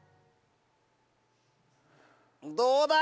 どうだ？